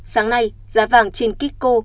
sáng nay giá vàng trên kikko